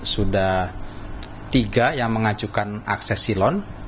sudah tiga yang mengajukan akses silon